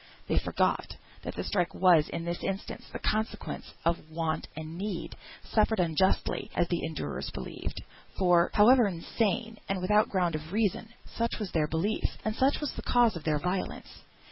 They forgot that the strike was in this instance the consequence of want and need, suffered unjustly, as the endurers believed; for, however insane, and without ground of reason, such was their belief, and such was the cause of their violence.